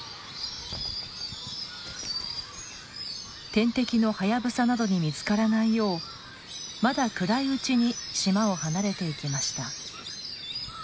天敵のハヤブサなどに見つからないようまだ暗いうちに島を離れていきました。